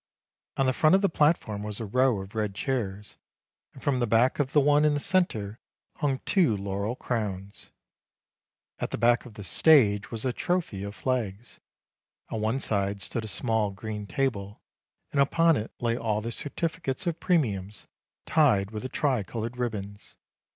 On the front of the platform was a row of red chairs; and from the back of the one in the centre hung two laurel crowns. At the back of the stage was a trophy of 'HURRAH FOR THE DEPUTY OF CALABRIA!" THE DISTRIBUTION OF PRIZES 179 flags ; on one side stood a small green table, and upon it lay all the certificates of premiums, tied with the tricolored ribbons.